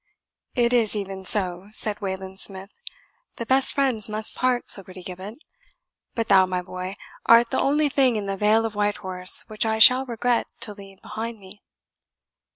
"It is even so," said Wayland Smith, "the best friends must part, Flibbertigibbet; but thou, my boy, art the only thing in the Vale of Whitehorse which I shall regret to leave behind me."